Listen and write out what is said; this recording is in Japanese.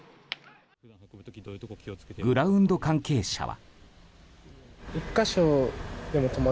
グラウンド関係者は。